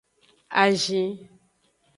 Azin.